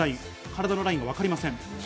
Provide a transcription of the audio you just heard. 体のラインがわかりません。